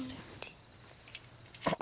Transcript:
ここ！